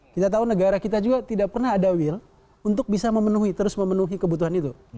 kita tahu negara kita juga tidak pernah ada will untuk bisa memenuhi terus memenuhi kebutuhan itu